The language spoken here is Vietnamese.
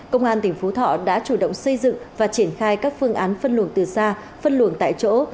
công an tỉnh phú thọ đã chủ động xây dựng và triển khai các phương án phân luồng từ xa phân luồng tại chỗ